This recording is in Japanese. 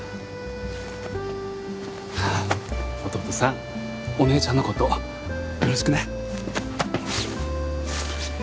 弟さんお姉ちゃんの事よろしくね。